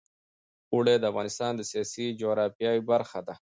اوړي د افغانستان د سیاسي جغرافیه برخه ده.